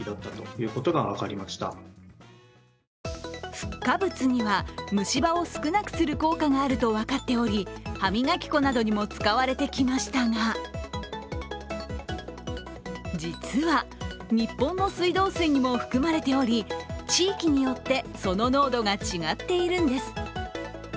フッ化物には、虫歯を少なくする効果があると分かっており歯磨き粉などにも使われてきましたが、実は、日本の水道水にも含まれており地域によってその濃度が違っているんです。